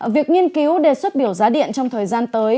việc nghiên cứu đề xuất biểu giá điện trong thời gian tới